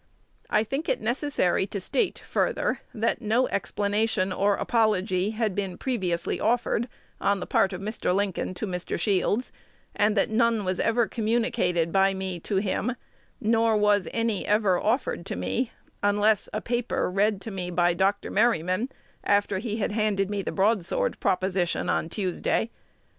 I think it necessary to state further, that no explanation or apology had been previously offered on the part of Mr. Lincoln to Mr. Shields, and that none was ever communicated by me to him, nor was any ever offered to me, unless a paper read to me by Dr. Merryman after he had handed me the broadsword proposition on Tuesday.